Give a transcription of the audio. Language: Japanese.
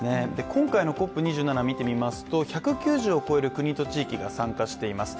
今回のＣＯＰ２７を見てみますと１９０を超える国と地域が参加しています。